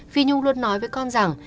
phi nhung luôn nói với con rằng